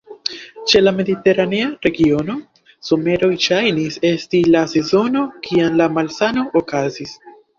Ĉe la Mediteranea Regiono, someroj ŝajnis esti la sezono kiam la malsano okazis.